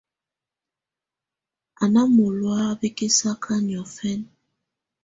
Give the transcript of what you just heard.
Á́ ná mɔ̀lɔá bɛkɛsaka niɔ̀fɛna.